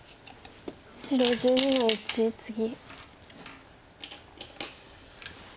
白１２の一ツギ。